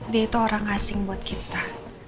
dia itu orang asing buat kita